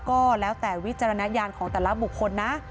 ก็แล้วแต่วิจารณญาณของแต่ละบุคคลนะ